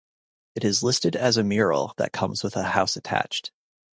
It is listed as a mural that comes with a house attached.